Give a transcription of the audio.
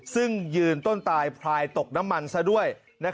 ซึ่งยืนต้นตายพลายตกน้ำมันซะด้วย